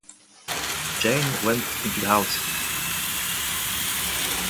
Jane went into the house.